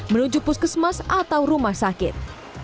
menuju puskesmas atau rumah sakit